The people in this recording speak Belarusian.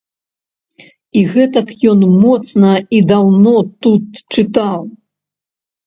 І гэтак ён моцна і даўно тут чытаў!